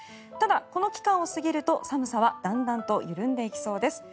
ただ、この期間を過ぎると寒さはだんだんと緩んでいきそうです。